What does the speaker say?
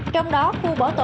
trong đó khu bỏ cháy rừng